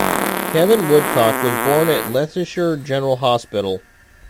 Kevin Woodcock was born at Leicester General Hospital.